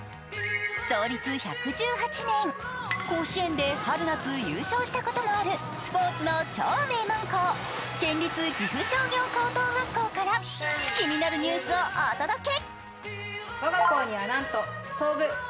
創立１１８年、甲子園で春、夏優勝したこともあるスポーツの超名門校、県立岐阜商業高等学校から気になるニュースをお届け。